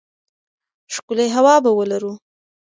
ښکلې هوا به ولرو.